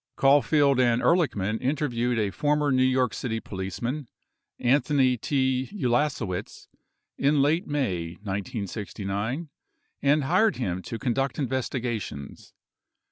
Caulfield and Ehrlichman interviewed a former New York City policeman, Anthony T. Ulasewicz, in late May 1969 and hired him to conduct investigations.